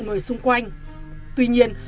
người xung quanh tuy nhiên